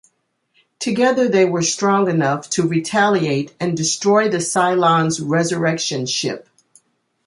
Together, they were strong enough to retaliate and destroy the Cylon's Resurrection Ship.